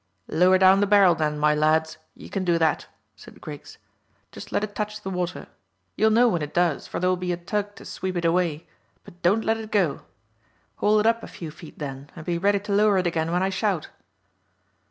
"Lower down the barrel, then, my lads. You can do that," said Griggs. "Just let it touch the water. You'll know when it does, for there will be a tug to sweep it away; but don't let it go. Haul it up a few feet then, and be ready to lower it again when I shout."